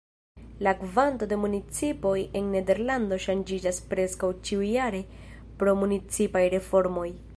La kvanto da municipoj en Nederlando ŝanĝiĝas preskaŭ ĉiujare pro municipaj reformoj.